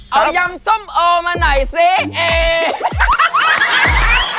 เอายำสมโอล์มาไหนสิ